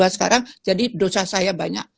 dua puluh dua sekarang jadi dosa saya banyak